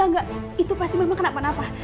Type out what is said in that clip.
gak gak gak itu pasti memang kenapa napa